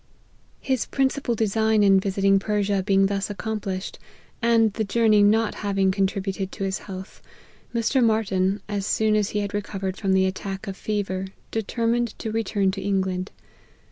His principal design in visiting Persia being thus accomplished, and the journey not having con tributed to his health, Mr. Martyn, as soon as he had recovered from the attack of fever, determined to return to England.